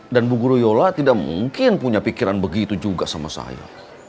dan bu guru yola tidak mungkin punya pikiran begitu juga sama saya